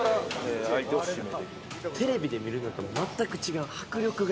テレビで見るのと全く違う、迫力が。